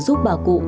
giúp bà cụ